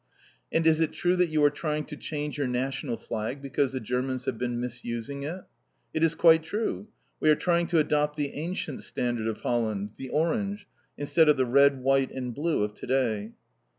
"And is it true that you are trying to change your national flag because the Germans have been misusing it?" "It is quite true. We are trying to adopt the ancient standard of Holland the orange instead of the red, white and blue of to day."